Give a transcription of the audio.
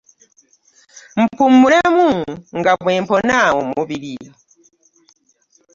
Mpummulemu nga bwe mpona omubiri.